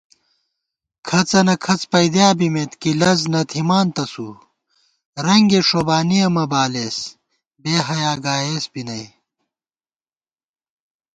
کھڅَنہ کھڅ پَئیدِیا بِمېت کِی لزنہ تھِمان تسُو * رنگےݭوبانِیَہ مہ بالېس بېحیا گائیس بی نئ